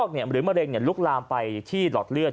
หรือมะเร็งลุกลามไปที่หลอดเลือด